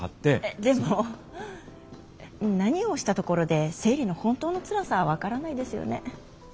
でも何をしたところで生理の本当のつらさは分からないですよね。